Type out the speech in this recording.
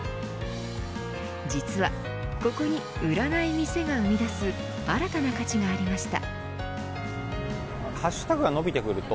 実は、ここに売らない店が生み出す新たな価値がありました。